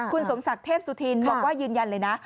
คุณสมศักดิ์เทพสุธินบอกว่ายืนยันเลยนะ